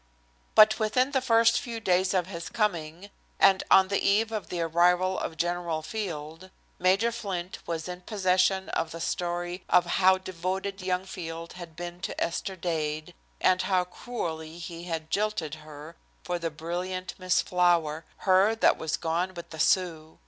But within the first few days of his coming, and on the eve of the arrival of General Field, Major Flint was in possession of the story of how devoted young Field had been to Esther Dade, and how cruelly he had jilted her for the brilliant Miss Flower, "her that was gone with the Sioux."